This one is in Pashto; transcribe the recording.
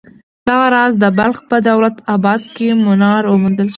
دغه راز د بلخ په دولت اباد کې منار وموندل شو.